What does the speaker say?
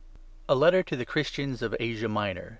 A LETTER TO THE CHRISTIANS OF ASIA MINOR.